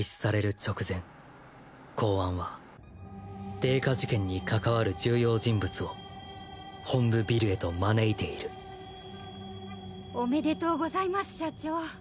直前公安は泥花事件にかかわる重要人物を本部ビルへと招いているおめでとうございます社長。